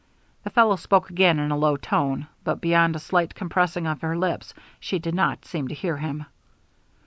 The fellow spoke again in a low tone, but beyond a slight compressing of her lips she did not seem to hear him.